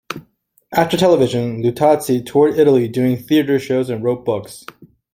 After television, Luttazzi toured Italy doing theatre shows and wrote books.